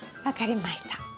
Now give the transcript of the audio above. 分かりました。